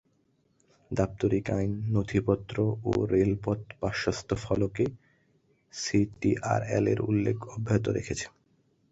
দাপ্তরিক আইন, নথিপত্র ও রেলপথ-পার্শ্বস্থ-ফলকে "সিটিআরএল"-এর উল্লেখ অব্যাহত রেখেছে।